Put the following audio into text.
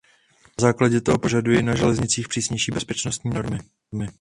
Na základě toho požaduji na železnicích přísnější bezpečnostní normy.